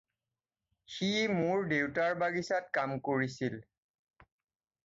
সি মোৰ দেউতাৰ বাগিচাত কাম কৰিছিল।